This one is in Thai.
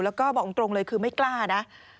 แล้วก็บอกตรงเลยคือไม่กล้านะ